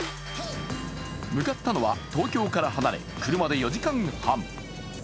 向かったのは、東京から離れ車で４時間半。